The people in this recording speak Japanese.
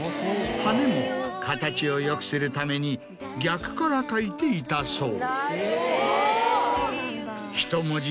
ハネも形をよくするために逆から書いていたそう。